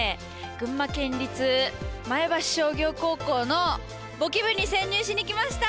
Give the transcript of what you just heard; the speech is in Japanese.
群馬県立前橋商業高校の簿記部に潜入しに来ました！